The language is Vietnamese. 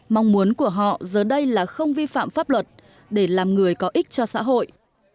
mong muốn của họ giờ đây là không vi phạm pháp luật để làm người có ích cho xã hội